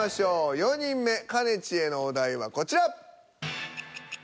４人目かねちーへのお題はこちら！